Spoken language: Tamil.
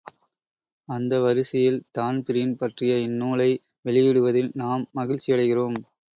அந்த வரிசையில் தான்பிரீன் பற்றிய இந்நூலை வெளியிடுவதில் நாம் மகிழ்ச்சியடைகிறோம்.